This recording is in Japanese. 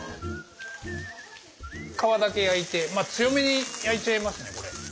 皮だけ焼いて強めに焼いちゃいますね。